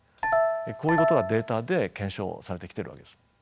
こういうことがデータで検証されてきてるわけです。